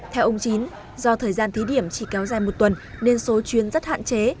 theo ông chín do thời gian thí điểm chỉ kéo dài một tuần nên số chuyến rất hạn chế